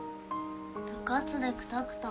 部活でくたくた。